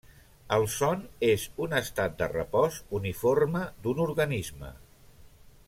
El son és un estat de repòs uniforme d'un organisme.